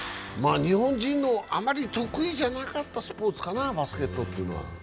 日本人のあまり得意じゃなかったスポーツかな、バスケットボールは。